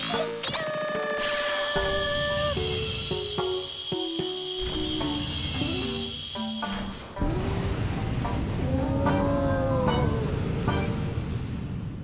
うん。